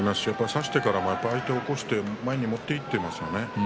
差してからも相手を起こして前に持っていっていますよね。